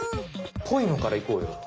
こいのからいこうよ。